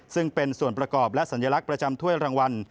ซึ่งเป็นส่วนประกอบและสัญลักษณ์ประจำถ้วยรางวัล